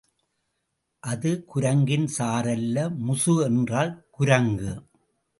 அது குரங்கின் சாறு அல்ல முசு என்றால் குரங்கு.